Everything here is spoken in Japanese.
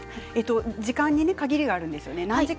時間に限りがあるんですよね。